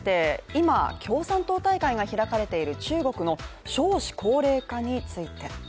今、共産党大会が開かれている中国の少子高齢化について。